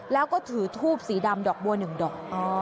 แล้วก็ถือทูบสีดำดอกบัว๑ดอก